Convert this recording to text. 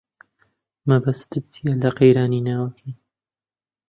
مەبەستت چییە لە قەیرانی ناوەکی؟